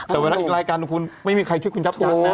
แต่ว่ารายการของคุณไม่มีใครช่วยคุณทัพจักรนะ